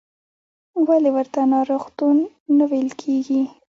ولې ورته ناروغتون نه ویل کېږي؟